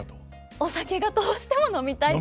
お酒がどうしても飲みたいと。